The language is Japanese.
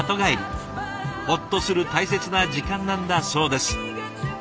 ホッとする大切な時間なんだそうです。